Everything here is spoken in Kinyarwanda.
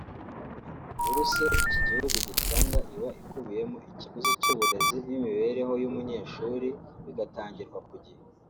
Buruse iki gihugu gitanga iba ikubiyemo ikiguzi cy’uburezi n’imibereho y’umushuri bigatangirwa ku gihe